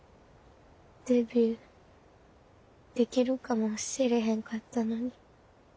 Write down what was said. デビューできるかもしれへんかったのに。